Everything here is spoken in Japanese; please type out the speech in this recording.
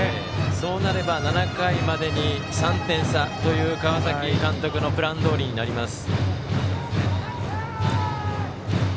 そうなれば７回までに３点差という川崎監督のプランどおりになります。